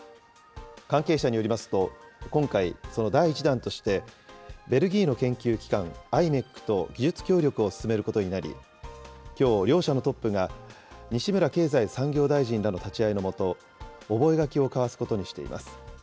関係者によりますと、今回、その第１弾として、ベルギーの研究機関、ｉｍｅｃと技術協力を進めることになり、きょう、両者のトップが、西村経済産業大臣らの立ち会いのもと、覚書を交わすことにしています。